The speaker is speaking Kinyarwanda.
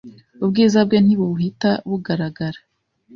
Ubwiza bwe ntibuhita bugaragara.